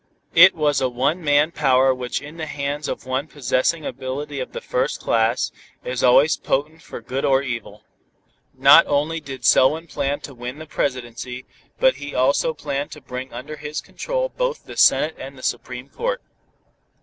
It was a one man power which in the hands of one possessing ability of the first class, is always potent for good or evil. Not only did Selwyn plan to win the Presidency, but he also planned to bring under his control both the Senate and the Supreme Court.